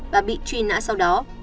và bị truy nã sau đó